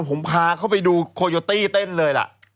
ผมพาเขาไปดูโคโยตี้เต้นเลยล่ะ